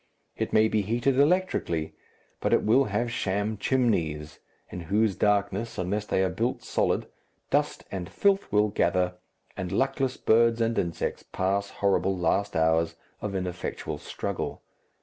It may be heated electrically, but it will have sham chimneys, in whose darkness, unless they are built solid, dust and filth will gather, and luckless birds and insects pass horrible last hours of ineffectual struggle.